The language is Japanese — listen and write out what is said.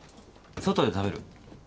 外で食べる。